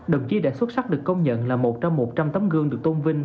đồng chí đã xuất sắc được công nhận là một trong một trăm linh tấm gương được tôn vinh